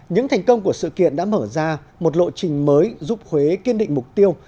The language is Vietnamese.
những thành công của sự kiện đã mở ra một lộ trình mới giúp huế kiên định mục tiêu